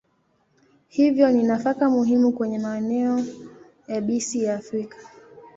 Hivyo ni nafaka muhimu kwenye maeneo yabisi ya Afrika.